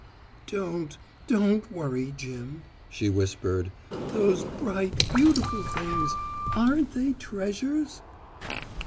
"Don't. Don't worry, Jim," she whispered. "Those bright, beautiful things! aren't they treasures?"